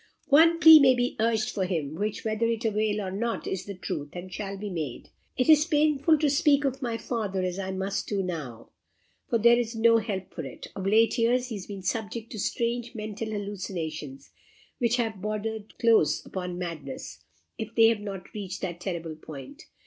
"One plea may be urged for him, which, whether it avail or not, is the truth, and shall be made. It is painful to speak of my father as I must now do; but there is no help for it. Of late years he has been subject to strange mental hallucinations, which have bordered close upon madness, if they have not reached that terrible point.